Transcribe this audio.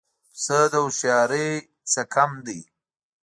پسه د هوښیارۍ نه کم دی.